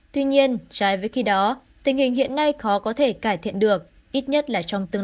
tuy nhiên trái với khi đó tình hình hiện nay khó có thể cải thiện được ít nhất là trong tương